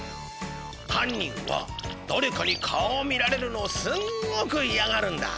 はんにんはだれかに顔を見られるのをすごくいやがるんだ。